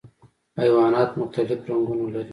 حیوانات مختلف رنګونه لري.